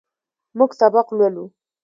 موږ سبق لولو.